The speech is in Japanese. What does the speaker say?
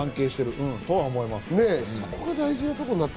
とは思います。